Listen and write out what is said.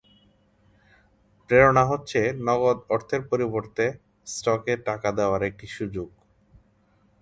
প্রেরণা হচ্ছে নগদ অর্থের পরিবর্তে স্টকে টাকা দেওয়ার একটি সুযোগ।